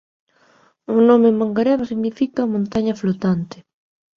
O nome "Mangareva" significa «montaña flotante».